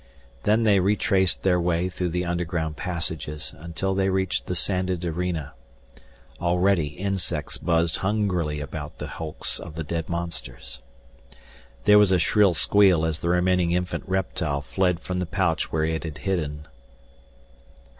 Then they retraced their way through the underground passages until they reached the sanded arena. Already insects buzzed hungrily about the hulks of the dead monsters. There was a shrill squeal as the remaining infant reptile fled from the pouch where it had hidden.